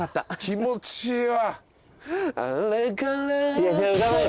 気持ちいいわ。